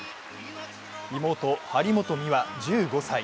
妹・張本美和１５歳。